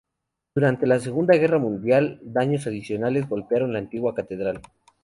Durante la Segunda Guerra Mundial, daños adicionales golpearon la antigua catedral.